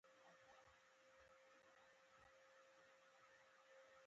رسید ساتئ؟